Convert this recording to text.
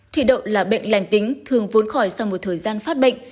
thủy đậu là bệnh lành tính thường vốn khỏi sau một thời gian phát bệnh